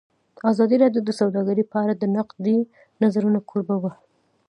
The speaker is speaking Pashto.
ازادي راډیو د سوداګري په اړه د نقدي نظرونو کوربه وه.